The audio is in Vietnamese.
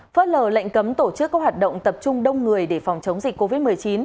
phớt lờ lệnh cấm tổ chức các hoạt động tập trung đông người để phòng chống dịch covid một mươi chín